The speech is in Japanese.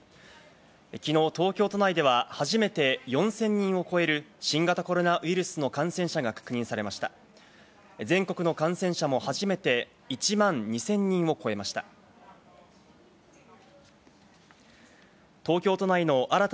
昨日、東京都内では初めて４０００人を超える新型コロナウイルスの感染者が確認されました。